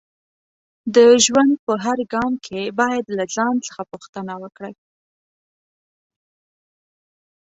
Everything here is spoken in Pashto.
د ژوند په هر ګام کې باید له ځان څخه پوښتنه وکړئ